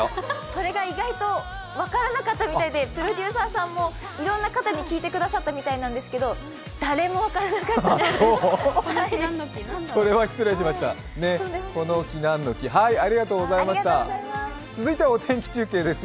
それが意外と分からなかったみたいでプロデューサーさんも聞いたんですけど誰も分からなかったです。